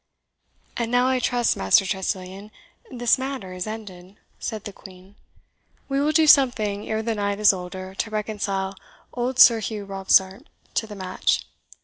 "And now, I trust, Master Tressilian, this matter is ended," said the Queen. "We will do something ere the night is older to reconcile old Sir Hugh Robsart to the match.